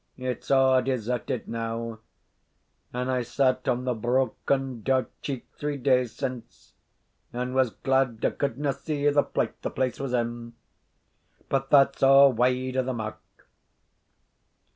It's a' deserted now; and I sat on the broken door cheek three days since, and was glad I couldna see the plight the place was in but that's a' wide o' the mark.